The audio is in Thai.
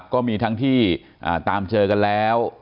ก็มีทั้งที่ตามเจอกันแล้ว